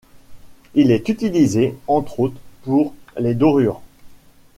Il est utilisé entre autres pour les dorures.